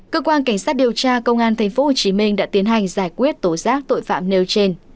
cơ quan cảnh sát điều tra công an tp hcm đã tiến hành giải quyết tố giác tội phạm nêu trên